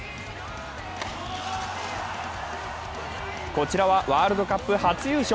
こちらはワールドカップ初優勝。